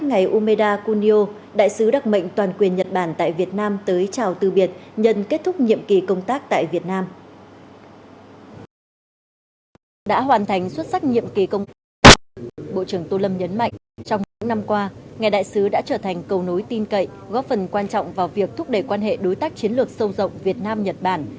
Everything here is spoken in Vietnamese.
ngày đại sứ đã trở thành cầu nối tin cậy góp phần quan trọng vào việc thúc đẩy quan hệ đối tác chiến lược sâu rộng việt nam nhật bản